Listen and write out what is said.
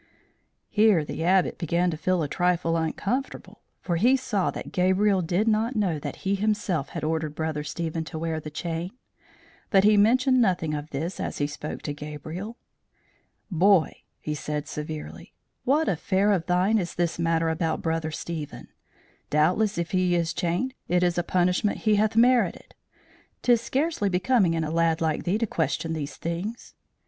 Here the Abbot began to feel a trifle uncomfortable, for he saw that Gabriel did not know that he himself had ordered Brother Stephen to wear the chain. But he mentioned nothing of this as he spoke to Gabriel. "Boy," he said, severely, "what affair of thine is this matter about Brother Stephen? Doubtless if he is chained, it is a punishment he hath merited. 'Tis scarcely becoming in a lad like thee to question these things."